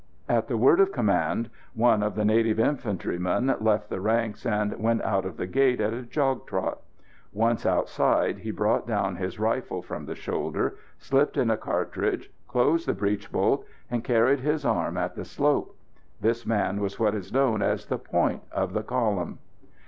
At the word of command one of the native infantrymen left the ranks and went out of the gate at a jog trot. Once outside, he brought down his rifle from the shoulder, slipped in a cartridge, closed the breech bolt, and carried his arm at the slope. This man was what is known as the "point" of the column.